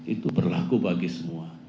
itu berlaku bagi semua